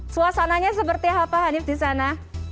suasananya seperti apa hanif di sana